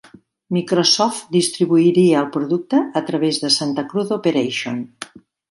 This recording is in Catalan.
Microsoft distribuiria el producte a través de Santa Cruz Operation.